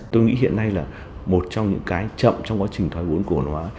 tôi nghĩ hiện nay là một trong những cái chậm trong quá trình thoái vốn cổ phần hóa